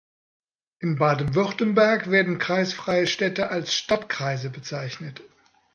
In Baden-Württemberg werden kreisfreie Städte als Stadtkreise bezeichnet.